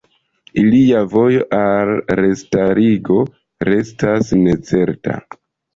Ilia vojo al restarigo restas necerta.